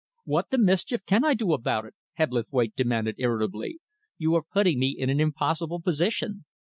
"What the mischief can I do about it?" Hebblethwaite demanded irritably. "You are putting me in an impossible position.